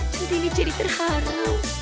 centini jadi terharu